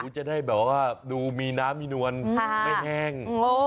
จะได้แบบว่าเดี๋ยวมีน้ำงี่นวลแข้ง